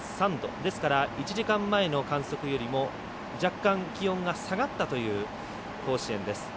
ですから１時間前の観測よりも若干気温が下がったという甲子園です。